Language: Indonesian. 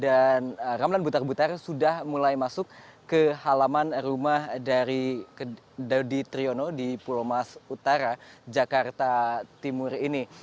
dan ramlan butar butar sudah mulai masuk ke halaman rumah dari daudi triyono di pulau mas utara jakarta timur ini